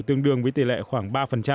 tương đương với tỷ lệ khoảng ba